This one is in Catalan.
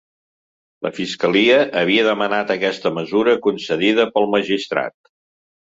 La fiscalia havia demanat aquesta mesura, concedida pel magistrat.